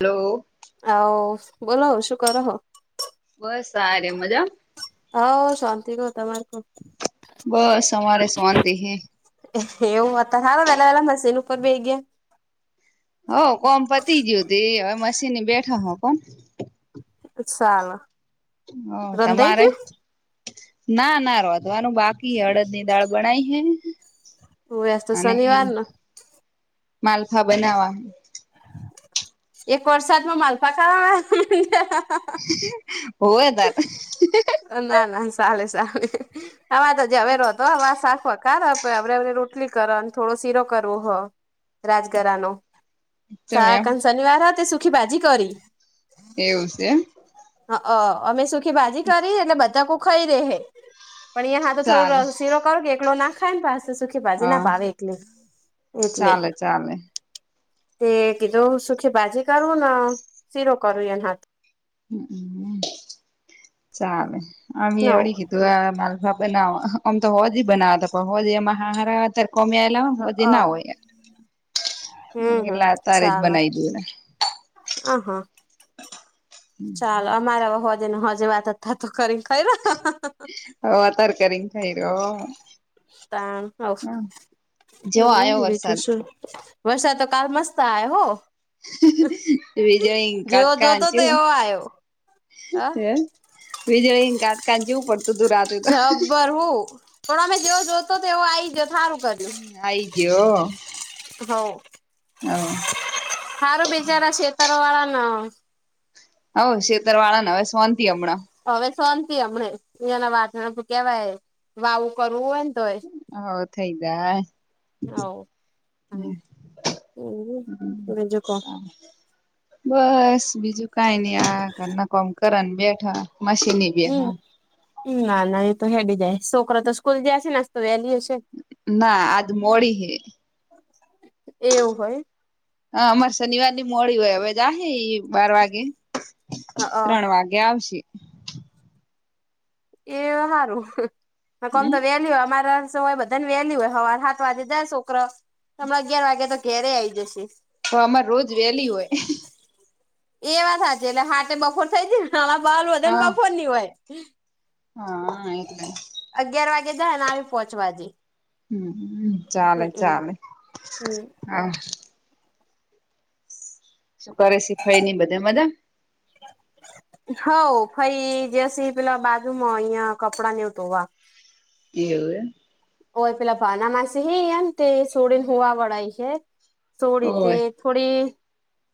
Hello. આવો બોલો હવ શું કર હો. બસ આરે મજામાં હા શાંતિ કહ તમારે કો. બસ અમારે શવાંતિ હ. એવું માત હવેલાવેલા મસ્સેન ઉપર બેગ. હ કોમ પતી ગયયો ત એ હવે મશી બેઠા હો કોણ. ચાલ. હ રંધાઈ તમારે. ગયું ના ના રોતવાનું બાકી હળદ ની દાળ બનાાય હે. હોવે આજ તો અને શનિવાર ને માલફા બનાવા. એક વર્ષતમાં માલપાકા. હો એ તાર. ના ના ચલે સલે આમાં તો જવેરો હતો વાત સાખ. કાર આપે આપડેને રોટલી કર અને થોડો સીરો કરવો હો. રાજગરા ન ચમ સાક એમ શનિવાર તે સુખી બાાજી કરી. એવું છે. અમે સુખી ભાજી કરી એટલે બધા કો ખાઈ રહેે પણ અહીંયા હા તો થોડો ચાલે રસ. સીરો કરો કે એકલો ના ખાય ને પાસે સુખી ભાજી ના હા ભાવે એકલી. એટલે. ચાલે ચાલે તે કીધું સુખી ભાજી કરું શીરો કરું એન હાથ. હ ચાલે અી એવડી નવ કીધ. માલવાા બનાવ આમ તો હો જ બનાવતા પણ હો એમાં હારર કોમ્યા. પલા વધે અ ના હોય હમ યાર હમ એલા તારે જ બનાવી દે. હ હા. ચાલો અમારા હોજે હજે વાત તો કરીને ખ. હ તર કરીને ખાઈ રહ્યો. તા હ જેવો હમ આવ્યો બીજું વરસાદ શું. વર્ષ તો કાલ મસ્ત આ હો. વિજય જેવો કાતકા જોતો છું તેવો આયો હ. વીજળી કાંટકાાન જવું પડતું હતું રાતે તો. ર હું પણ અમે જેવો જોતો તેવ આ જથ. હમ આઈદ્ય્યો. હ. હ. સારું બિચારા શેતરો વાળા ન. હ શેતર વાળા ને હવે સોંતિ હમણાં. હવે શાંતિ હમને એયાના વાચણ કેવાય વાવું કરવું હોય ને તોય. હ થઈદા. હમ તોય હવ હમ બીજું કો હ. બસ બીજું કઈ નઈ આ નકોમ કર બેઠા મશીની હમ બેઠા. ના ના એ તો હેડી જાય છોકરા તો સ્કૂલ જસી નાસ્ તો વેલી હશે. ના આજ મોડી હ. એવું હોય. હ અમારે શનિવાર ની મોડી હોય હવે જ બાર વાગે હા ત્રણ વાગે. ગશી. એ સારું કોમ હમ તો વેલ્યુ અમારે હોય બધું. ન વહેલી હોય હવાર સાત વાગે દાય છોકરા સમણા અગિયાર વાગે તો ઘેરે આવી જશે. તો આમાં રોજ વેલી હોય એ વાત સાચી એટલે હાટે બપોર થઈ જ હ બલ વધે ને હા બફોર ની હોય હા એટલે અગિયાર વાગે જાય ને આવે પાંચ વાગે [inaudible] હમ હમ ચાલે હમ ચાલે હમ હા [inaudible] શું કરે શીખાઈ ની બધે મજા હોઊભાઈ જેસી પેલા બાજુમાં અહં કપડા નેવતો વા એવું એ ઓય પેલા ભાના માછ હ એ તે સોડીને હવા વડા છે સોડી તે ઓય થોડી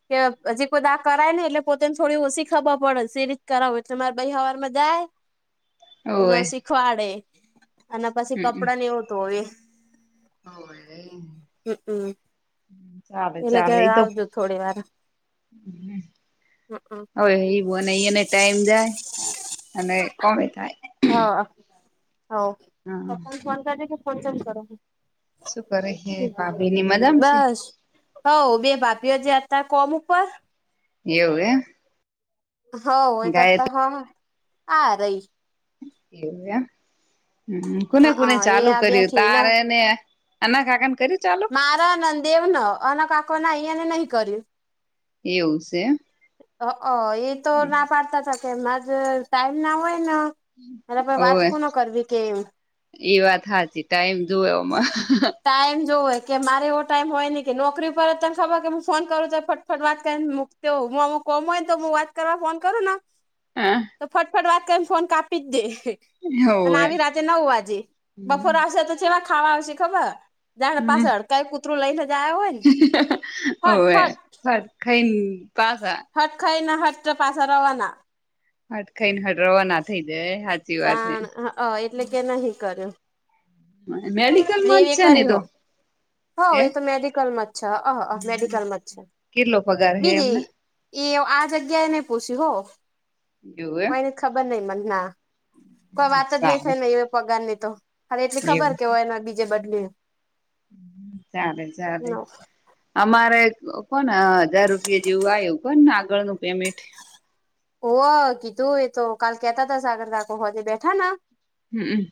કે હજી કોઈ દા કરાય ને એટલે પોતેને થોડી ઓછી ખબર પડે સ રીત કરાવું એટલે મારે બે હવાર માં જાય [inaudible] એ ઓય શીખવાડે અને પછી કપડા ને એવું ધોવે હો હમમ ચાલે એટલે ચાલે કે એ તો આવજો થોડી વાર હમ [inaudible] હમમ હવે એવું અને અહીયાને ટાઈમ જાય અને કોમે થાય હા હા હ ફોન કરે કે ફોન તો કરો હ [inaudible] શું કરે હે ભાભી ની મજામશે હ બે ભાભીઓ જે હતા કોમ ઉપર એવું એમ હોવ એ ગાય તો હા આ રહી એવું એમ હ કોને કોને એ ચાલુ આ કર્યું બેઠી ન તારેને અનાખકા કર્યું ચાલુ ના ના દેવ ન અનેન કાકો ના અહીયાને નહી કર્યું એવું છે એ તો એમ ના પાડતા હતા કે માજ ટાઈમ ના હોય ને અરે ભ વાત ઓવે કો ન કરવી કે એમ એ વાત હાચી ટાઈમ જોવેમાં ટાઈમ જોવ હોય કે મારે એવો ટાઈમ હોય નને કે નોકરી ઉપ પર જ તને ખબર કે હું ફોન કરું તો ફટફટ વાત કરીને તો હુંમ કોમ હોય તો હું વાત કરવા ફોન કરું ને તો ફટફટ વાત કરીને ફોન કાપી જ દે અને હોવે આવી રાતે નવ વાજે બપોર હમ આવશે તો જેવા ખાવા આવશે ખબર જાણે પાસે હડકાઈ કૂતરું લઈને જો હોય ને ફટ ફટ કઈ પા હટ ખાઈ ના હટ તો પાછ રવાના અટ કઈ ન હડ્રવા ના આ થઈદે સાણ અ એટલે કે નહી કર્યું મેડિકલ માં જ છે ને તો હ હે એ તો મેડિકલમાં જ છે મેડિકલમાં જ છે કેટલો પગાર [inaudible] હે એમને બીજી એ આ જગ્યા એ નહી પૂછ્યું હો એવું હ એમ એને ખબર નહ મને ના કોઈ એમ વાત જ નહી થ સારું ને એ પગાર ની તો હા એટલી ખબર એવું કે હોય એના બીજે બદલી ચાલે ચલે અમારે કોને હજાર રૂપિયા જેવું આવ્યું કોણને આગળનું પેમેન્ટ ઓ કીધું એ તો કાલ કેતા હતા સાગરતાકો હોજે બેઠા હમમ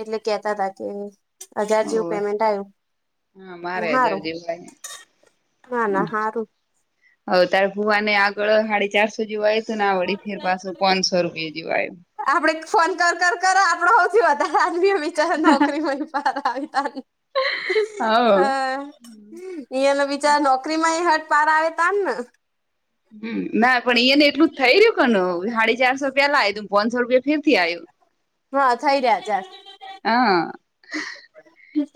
એટલે કેતા હતા કે હજાર જેવું હોવે પેમેન્ટ આવ્યું હા [inaudible] હું મારે હજાર સારું જેવું આયુ હા ના હારું હવે તારે ભુવાને આગળ હાડી ચારસો જેવા આય ત ના વળી ફેર પાછો પાંચસો રૂપિયા જેવા આયા આપડે ફોન કર કર કર આપડો હૌથી વધારે આનવી બચાર નોકરી મળ પાર આવી તા હ ઈએન બિચારા નોકરીમાંય હઠ પાર આવે તા ને હ ના પણ અહંયાને એટલું જ થઈય્યું કન હાડી ચારસો પેલા આયું તું પાંચસો રૂપિયા ફેરથી આયું હા થઈ રહ્યા ચાર હા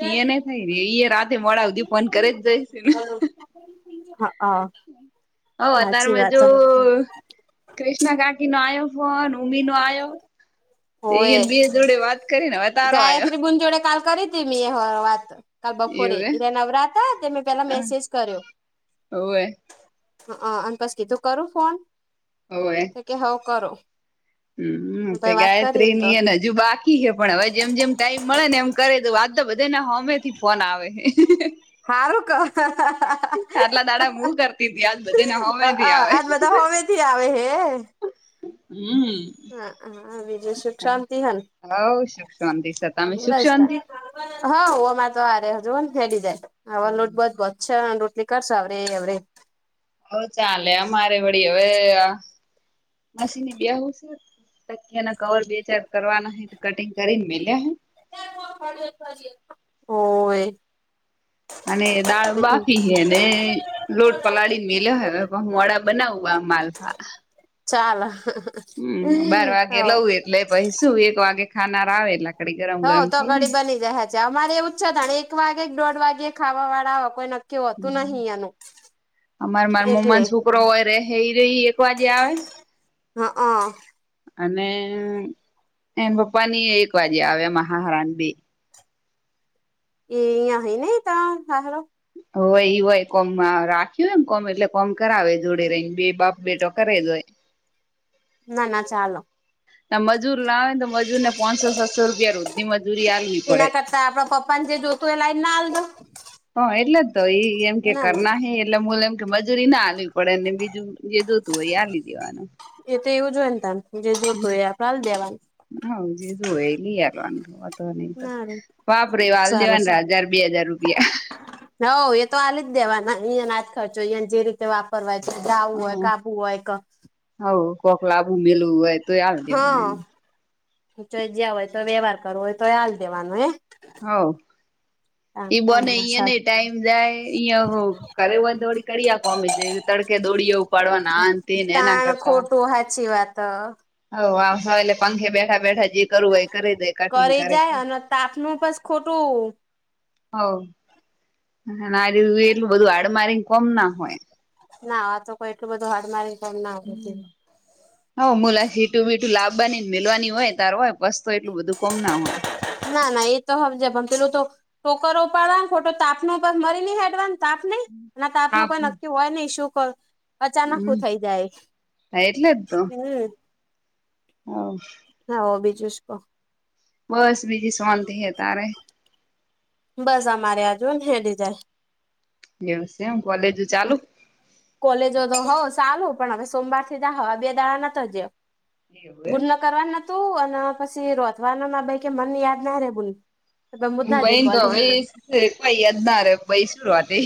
ઈએને થાય રે ઇએ રાતે મોડા હુંધી ફોન કરે જ જઈ છે ને હા હવ અતાર માં જો હ. કૃષ્ના કાકી નો આયો ફોન મમ્મી નો આયો હોવે ઇએન બે જોડે વાત કરીને હત ગાયત્રી બુન વડે કાલ કરી હતી મિયે હ વાત કાલ બપોરે એવું ઇરે નવરા તા તેમે પેલા હે મેસેજ કર્યો હોવે અ અન પછ કી તું કરું ફોન [unintelligible] કે હવ કરો હમ પે પહી વાત કરી એમ ગાયત્રી તો ની એને જ હજુ બાકી હે પણ અવે જેમ જેમ ટાઈમ મળે ને એમ કરે તો વાત તો બધે ને હોમે થી ફોન આવે હે હારું ક હ હ હ આટલા દાડા હું કરતી તી આજ બધીને હોમે અ થી આવે આજ બધા હોમેથી આવે હે હું હા હા બીજું સુખ શાંતિ હ ને હવ સુખ શાંતિ સ તમે સુખ બસ તા શાંતિ હવ અમાર તો આઈ રાયા જો હેડી જાય એવે લોટ બોટ હા રોટલી કર સાવ રે અવરે હ ચાલે અમારે વળી હવે આ મસીને બેહવું છે તકીયાના કવર બે ચાર કરવાના હે કટિંગ કરીન મેલ્યા હે હોવે અને દાળ બાકી હે ને લોટ પલાળીને મેલ્યો હે પણ હું વડા બનાવું આ માલમા ચાલ હ હ હમ બાર વાગે લઉું એટલે પહી શું એક વાગે ખાનાર આવે એટલાક હોઉ તો ઘડી બની જાય હે ચે અમારે એવું જ છે ને એક વાગે કે દોઢ વાગે ખાવા વાળા હો કોઈ ન કેવું હતું નહી એનું અમાર માર એટલે મોમન છોકરો હોય રે ઇ રે એક વાજે આવે હ હ અને એ પપ્પા ની એક વાજે આવે મ હાહરા ને બે એયા હય ને તા હાહરો હોય ઇ હોય કોમમાં રાખ્યું એમ કોમ એટલે કોમ કરાવે જોડે રહીને બે બાપ બેટો કરે જ હોય [unintelligible] ના ના ચાલે ત મજૂર લાવે ને તો મજૂર ને પોચસો સસ્સો રૂપિયા રોજ ની મજૂરી આલવી પડે આપણા પપ્પાને જે જોતું હોય એ લાઈને ના આલી દઊ હ એટલે જ તો ઈ એમ કે ના ના કરના હિ એટલે મુલ એમ કે મજૂરી ના આલવી પડે ને બીજું જે જોતું હોય આલી દેવાનું એ તેવું જ હોય તા ન જે જોતું હોય એ આપ આલી દેવાનું હમ જે જોઈએ એ લઈ આપ વાનું તો નહી તો ના રે વાપરે વાલ દેવાનું હજાર બે હજાર રૂપિયા હોવ એ તો આલી જ દેવાના ઇય ના હાત ખર્ચો ઇએન જરીક વાપરવાય છે ડાઉું હોય કાબુ હોય ક હોવ કોક લાવું મેળવું હોય તો આલ દેવાના હા એમ જો જયા હોય તો વ્યવહાર કરવો હોય તો હાલ દેવાનો હે. હોવ ઈ ના બોને ના એને સારું ટાઈમ જાય કર હો તોડી કડીિયા કોમ તડકે દોળીએ. પડવાના આને તે એના કરતા, બહુ હાચીવાત. હોઉ આહે એટલે પંખે બેઠા બેઠા જે કરવું હોય એ કરી દે. કરે જાય અને તાપનું બસ ખોટું, હ આ દીધું એટલું બધું આડમારીને કોમ ના હોય [inaudible] ના આ તો કોઈ એટલું બધું હાડ મારી પણ ના હોય. હ મુલાીટું બીટું લાાવવાનીને મેલવાની હોય તારો હોય પસ્તો એટલું બધું કોમ ના હોય. ના ના એ તો હજેમ પેલું તો ટોકરો ઉપડવા ખોટો તાપનો મરી નહી હેડવાનો. તાપ નહી અને તાપ નું કોઈ નક્કી હોય નહી શું કરું? અચાનક હમ થઇ જાય હમ. હા હા હો બીજું શું બસ બીજી શાંતિ હ તારે? બસ અમારે અજુ હેડી જાય. દિવસેકોલેજ ચાલુ? કોલેજો તો હોઉ ચાલુ પણ હવે સોમવાર થી જ હ બે દાડા ન જયો. એવું એમ કરવાનુંતું અને પછી રોધવાનુંમાં કે મન યાદ ના રે બુલ, હું મુદા બઈ જઈ તો કોલેજ, હવે કોઈ યા જ ના ર ભાઈ શરઆત [inaudible]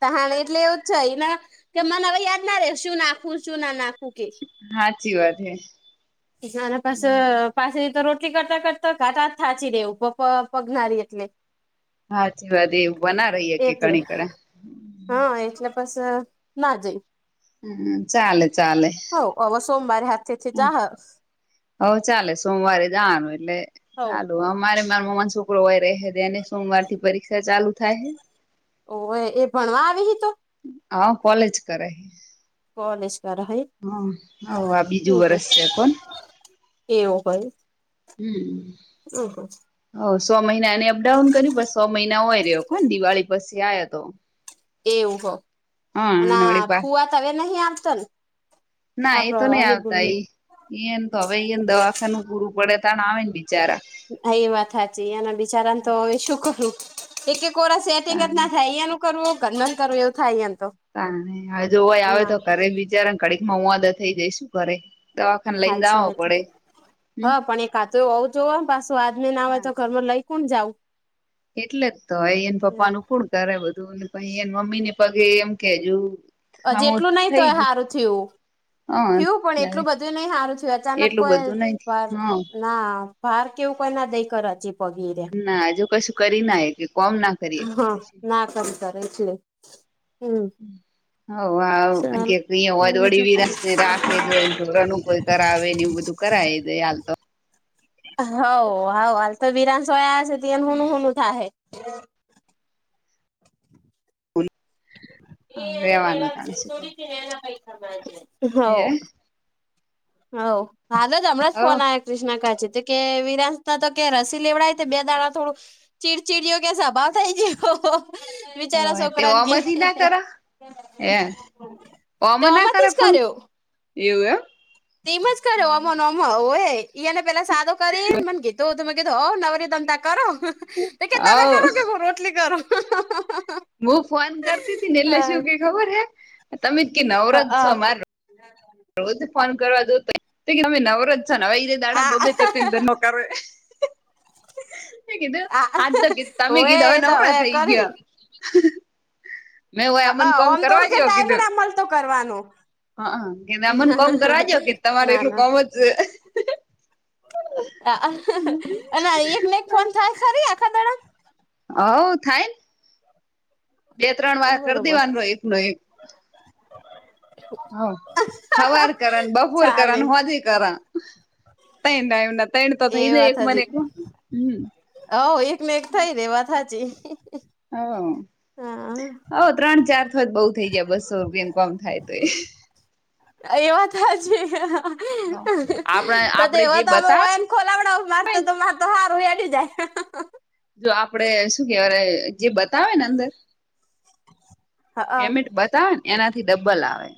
ત હા એટલે એવું જ છેને કે મને હવે યાદ ના રે શું નાખવું શું ના નાખવું કે, હાચી વાત હૈ. નાના પાસ. પાસે તો રોટલી કરતા કરતા ઘાટા થાચી રહેેવું પ પગનારી એટલે [unintelligible] હાચી વાત એવું બના રહીએ કે એટલે ઘણી કણા્ હા એટલે પસે ના જઈએ. હમ ચાલે ચાલે. અવે સોમવારે હાથેથી જાહે. હ ચાલે સોમવારે જવાનું એટલે ચાલુ અમારે, ન મમાનોછોકરો વાય રહે અને સોમવાર થી પરીક્ષા ચાલુ થાય. ઓ એ ભણવા આવી તો, હા કોલેજ કરે. કોલેશ કર હોાઈ, હ હ આ બીજું વરસ છે કોણ? એવું હોાઈ. હમ ઓ હ સો મહિના એ અપડાઉન કર પછ સો મહિના હોય રહ્યો કોણ દિવાળી પછી આવ્યા તો. એવું હો હા અને વળી પા ફુવા ત હવે નહ આવતા ને? ના એ આપડો તો નહી આવતા અનિબુની એ એને તો હવે એને દવાખાનું પૂરું પડે તને આવે ને બિચારા હા એ વાત સાચી અંના બિચારાને તો હવે શું કરું એક એક કોરા સેટિંગ જ તાણે ના થાય અંયાનું, કરવો ગન કરવું એું થાય [unintelligible] તા હવે જોવાઈ આવે ના તો ઘરે બિચાર ને કડીક માં હું વાદા થઈ જઈ શું કરે, દવાખાને હા લઈને છે જાવો વાત પડે હમ હા પણ એક કા તો આવ તો હો ને પાછું આજને ના હોય તો ઘરમાં લઈ કોણ જાઓ એટલે જ તોય એને પપ્પાનું ફૂણ કરે બધુંને પછ એને મમ્મી ને પગે એમ કેજું જેટલું નહ તોય સારું થયું ગયું થયું પણ હ એટલું બધું નઈ સારું થયું અચાનક એટલું કોઈ બધું નઈ વાર હ ના ફાર કેવું કઈ ના દઈ કર છે પગીરે [unintelligible] ના આજુ કશું કરી ના કે કોમ નાખ [unintelligible] હા ના કમ તાર એટલી હમ [unintelligible] હ હો ચાલ હું વડી બીજું વિરસ ને રાખે એ [unintelligible] કોઈ કર આવે નેવું બધું કરાવી દે હાલ તો. હવ હાલતો વિિરાનસોયા હશે ત એ હન [unintelligible] હન [unintelligible] ઉ થાહે. રેવાનું તાણ શું કરે હે [inaudible] હવ હાલ જ હમણાં જ ફોન આ ક્રષ્ણા કા છે તો કે વિરાસતા તો કે રસી લેવડાય બે દાણા થોડું ચીડચીડીયો કં સભાવ થાય ગયો. બીચારા હવ તે છોકરાન કે ઓમાંથી ના કર હે ઓમાં ના તોમાંથી કરે જ ફોન કર્યો. એવું હ. તેમજ કર્યો અમમ હો ને પેલા સાદો કરીને મને કીતો હો ત. [unintelligible] ધવ નવરી દમતા કરો તો કે તમે કરો હવ કે હું રોટલી કરું. હું ફોન કરતી હતી ને એટલે હા શું કે ખબર હાલો. રોજ ફોન કરવા જોતો હોય તમે નવરજ છ ને હવેતે દાડા બબે ત આ પંધ નોકા. [unintelligible] મે કીધું આજ તો તમે હોય કીધું હવે એ તો નવરા થઈ કરી ગયા. હ. ઓમ તો ટાઈમને મળતો કરવાનું. હા કે આમન કોમ કરાવજો કે તમારે ના એટલું ના કોમ જ અને એકને એક ફોન થાય ખરી આખા ત. હ થાયન. બે ત્રણ તો વાર કરી બરોબર દેવાનો એક નો એક. હ હવાર કરન બપૂર કરન ચાલે હોજે કર. તૈ એમ તૈ તો તો એ હે વાત એક મને હજી હમ્મ. [unintelligible] હ એકને એક થઈ રે વાત સાચી. હ. હા. હ ત્રણ ચાર થો જ બઉુ થઈ જાય બસો રૂપિયાનું કામ થાય તો એ. એ વાત સાચી છે આપણા તદ આપડે જે વા તમે વ બતાવે [unintelligible] ખોલાવડ માર તો તો માર તો હારું એડી જાય. જો આપડે શું કેહેવા જે બતાવે ને અંદર હ પેમેન્ટ બતાવે ને એનાથી ડબ્બલ આવે.